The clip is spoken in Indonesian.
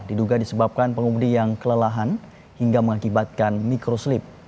diduga disebabkan pengemudi yang kelelahan hingga mengakibatkan mikroslip